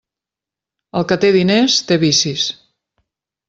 El que té diners, té vicis.